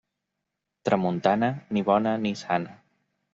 Tramuntana, ni bona ni sana.